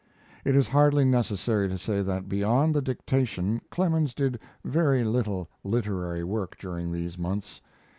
It is hardly necessary to say that beyond the dictation Clemens did very little literary work during these months.